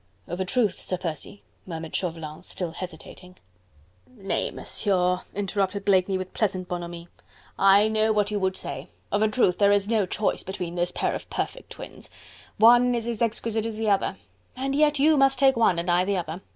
"Of a truth, Sir Percy..." murmured Chauvelin, still hesitating. "Nay, Monsieur," interrupted Blakeney with pleasant bonhomie, "I know what you would say... of a truth, there is no choice between this pair of perfect twins: one is as exquisite as the other.... And yet you must take one and I the other...